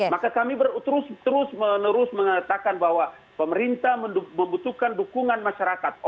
maka kami terus menerus mengatakan bahwa pemerintah membutuhkan dukungan masyarakat